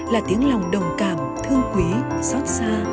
là tiếng lòng đồng cảm thương quý xót xa